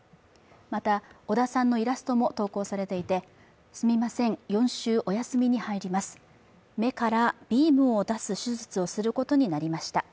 また、尾田さんのイラストも投稿されていてすみません、４週、お休みに入ります目からビームを出す手術をすることになりました。